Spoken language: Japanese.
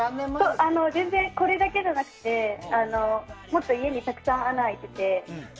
全然、これだけじゃなくてもっと家にたくさん穴が開いてて。